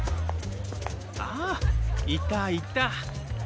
あいたいた。